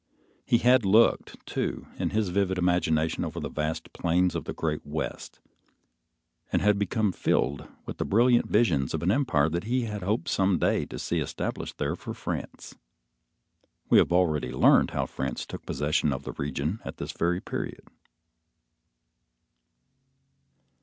He had looked, too, in his vivid imagination over the vast plains of the great West, and had become filled with brilliant visions of an empire that he hoped some day to see established there for France. We have already learned how France took possession of the region, at this very period.